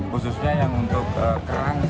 khususnya yang untuk kerang